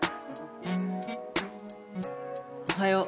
おはよう。